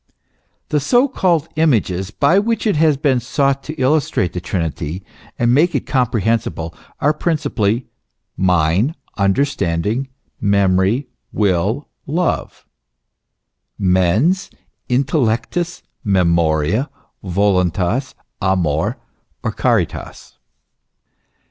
The so called images by which it has been sought to illustrate the Trinity, and make it comprehensible, are, principally: mind, understanding, memory, will, love mens, intellectus, memoria, voluntas, amor or caritas.